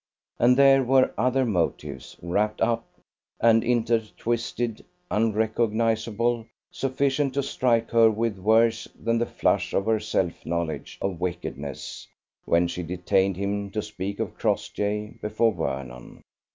And there were other motives, wrapped up and intertwisted, unrecognizable, sufficient to strike her with worse than the flush of her self knowledge of wickedness when she detained him to speak of Crossjay before Vernon.